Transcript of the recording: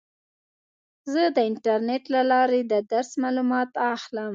زه د انټرنیټ له لارې د درس معلومات اخلم.